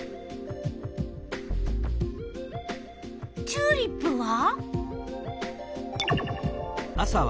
チューリップは？